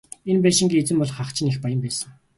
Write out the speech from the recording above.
Энэ байшингийн эзэн болох ах чинь их баян байсан.